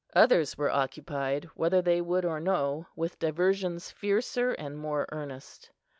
Others were occupied, whether they would or no, with diversions fiercer and more earnest.